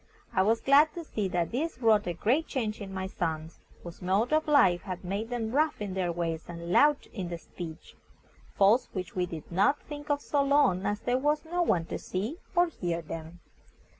I was glad to see that this wrought a great change in my sons, whose mode of life had made them rough in their ways and loud in their speech faults which we did not think of so long as there was no one to see or hear them.